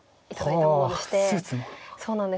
そうなんです。